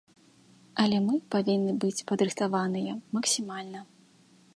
Але мы павінны быць падрыхтаваныя максімальна.